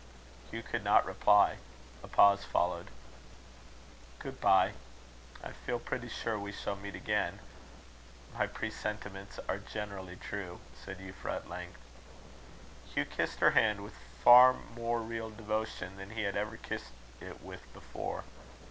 Hugh could not reply. A pause followed. "Good bye. I feel pretty sure we shall meet again. My presentiments are generally true," said Euphra, at length. Hugh kissed her hand with far more real devotion than he had ever kissed it with before.